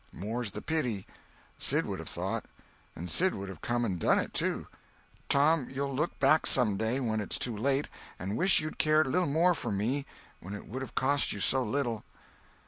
"More's the pity. Sid would have thought. And Sid would have come and done it, too. Tom, you'll look back, some day, when it's too late, and wish you'd cared a little more for me when it would have cost you so little."